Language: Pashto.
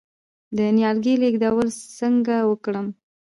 د نیالګي لیږدول څنګه وکړم؟